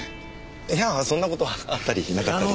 いやぁそんな事はあったりなかったりで。